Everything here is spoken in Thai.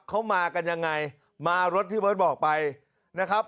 เขามากันยังไงมารถที่เบิร์ตบอกไปนะครับ